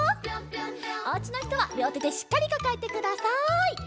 おうちのひとはりょうてでしっかりかかえてください。